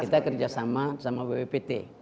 kita kerjasama sama bpbt